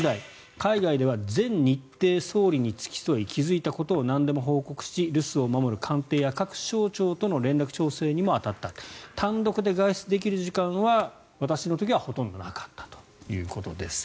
海外では全日程総理に付き添い気付いたことをなんでも報告し留守を守る官邸や各省庁との連絡調整にも当たった単独で外出できる時間は私の時はほとんどなかったということです。